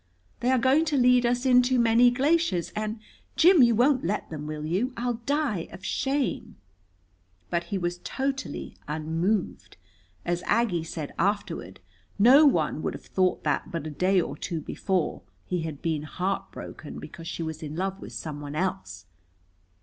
They are going to lead us in to Many Glaciers, and Jim, you won't let them, will you? I'll die of shame." But he was totally unmoved. As Aggie said afterward, no one would have thought that, but a day or two before, he had been heartbroken because she was in love with someone else.